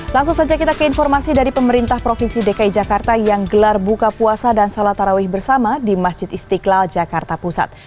langsung saja kita ke informasi dari pemerintah provinsi dki jakarta yang gelar buka puasa dan sholat tarawih bersama di masjid istiqlal jakarta pusat